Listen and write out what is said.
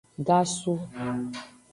Gasu.